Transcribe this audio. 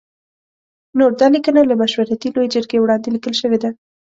نوټ: دا لیکنه له مشورتي لویې جرګې وړاندې لیکل شوې ده.